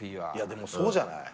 でもそうじゃない？